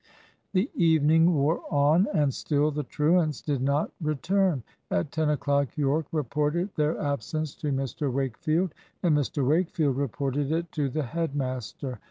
The evening wore on, and still the truants did not return. At ten o'clock Yorke reported their absence to Mr Wakefield, and Mr Wakefield reported it to the head master.